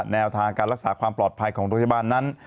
แนวทางการรักษาความปลอดภัยของโรงพยาบาลนั้น